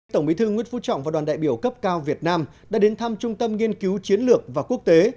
tổng bí thư nguyễn phú trọng và đoàn đại biểu cấp cao việt nam đã đến thăm trung tâm nghiên cứu chiến lược và quốc tế